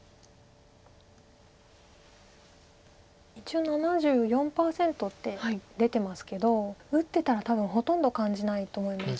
一応７４％って出てますけど打ってたら多分ほとんど感じないと思います。